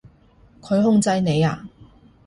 佢控制你呀？